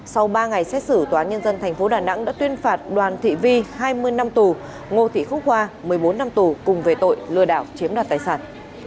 sau ba ngày xét xử tnth đà nẵng đã tuyên phạt đoàn thị vi hai mươi năm tù ngô thị khúc hoa một mươi bốn năm tù cùng về tội lừa đảo chiếm đoạt tài sản